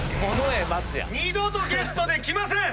二度とゲストで来ません！